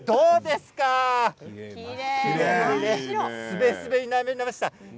すべすべになりました。